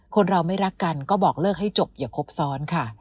คนเราไม่รักกันก็บอกเลิกให้จบอย่าครบซ้อนค่ะ